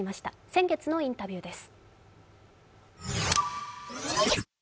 先月のインタビューです。